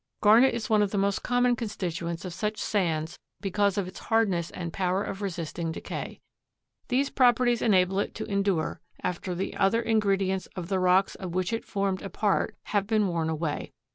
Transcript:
Garnet is one of the most common constituents of such sands because of its hardness and power of resisting decay. These properties enable it to endure after the other ingredients of the rocks of which it formed a part have been worn away.